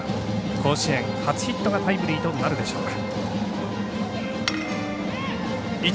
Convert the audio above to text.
甲子園、初ヒットがタイムリーとなるでしょうか。